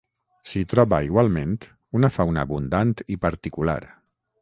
S'hi troba igualment una fauna abundant i particular.